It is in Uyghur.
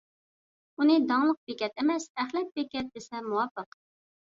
ئۇنى داڭلىق بېكەت ئەمەس، ئەخلەت بېكەت دېسە مۇۋاپىق.